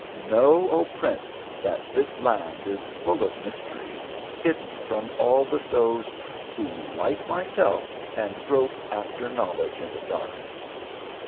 Know, O prince, that this land is full of mysteries, hidden from all but those who, like myself, can grope after knowledge in the dark.